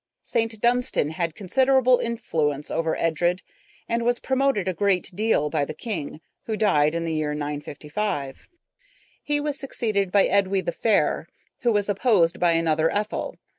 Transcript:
St. Dunstan had considerable influence over Edred, and was promoted a great deal by the king, who died in the year 955. He was succeeded by Edwy the Fair, who was opposed by another Ethel.